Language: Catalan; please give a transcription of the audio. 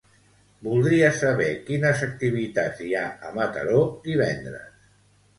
Voldria saber quines activitats hi ha a Mataró divendres.